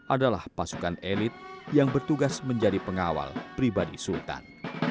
adalah pasukan elit yang bertugas menjadi pengawal pribadi sultan